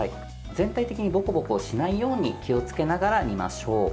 全体的にぼこぼこしないように気をつけながら煮ましょう。